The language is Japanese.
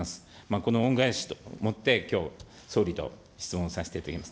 この恩返しと思って、きょう、総理と質問させていただきます。